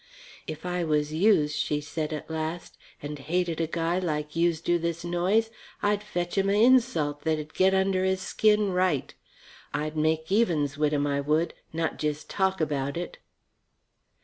"If I was youse," she said at last, "and hated a guy like youse do this Noyes, I'd fetch 'im a insult that'd get under his skin right. I'd make evens wit' 'im, I would, not jes' talk about it."